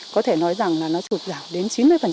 có thể nói rằng là nó sụt giảm đến chín mươi